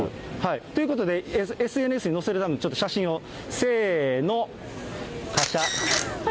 ということで、ＳＮＳに載せるための、ちょっと写真を、せーの、かしゃ。